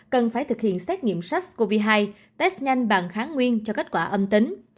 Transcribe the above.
cần phải thực hiện xét nghiệm sars cov hai test nhanh bằng kháng nguyên cho kết quả âm tính